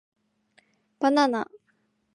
Banana